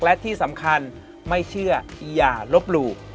และที่สำคัญไม่เชื่ออย่าลบหลู่